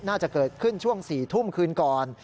น่าจะเกิดขึ้นช่วง๔ทุ่มคืนก่อน